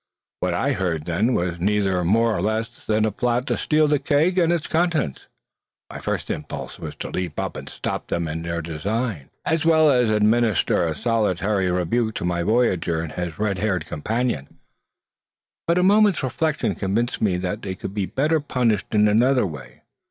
What I heard, then, was neither more or less than a plot to steal the keg and its contents! My first impulse was to leap up and stop them in their design, as well as administer a salutary rebuke to my voyageur and his red haired companion; but a moment's reflection convinced me that they could be better punished in another way.